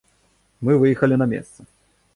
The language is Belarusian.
Мы выехалі на месца.